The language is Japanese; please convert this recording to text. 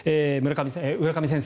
浦上先生